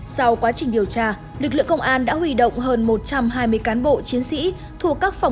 sau quá trình điều tra lực lượng công an đã huy động hơn một trăm hai mươi cán bộ chiến sĩ thuộc các phòng